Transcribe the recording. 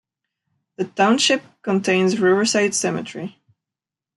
The township contains Riverside Cemetery.